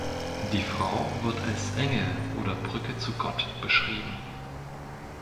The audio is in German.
Die Frau wird als ‚Engel‘ oder ‚Brücke zu Gott‘ beschrieben.